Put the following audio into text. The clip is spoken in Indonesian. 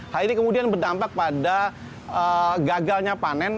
hal ini kemudian berdampak pada gagalnya panen